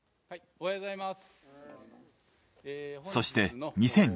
おはようございます。